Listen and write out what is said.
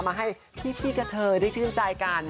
มาให้พี่กระเทยได้ชื่นใจกัน